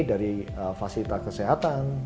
dari fasilitas kesehatan